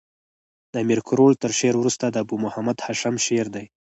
د امیر کروړ تر شعر وروسته د ابو محمد هاشم شعر دﺉ.